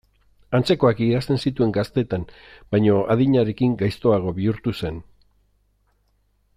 Antzekoak idazten zituen gaztetan baina adinarekin gaiztoago bihurtu zen.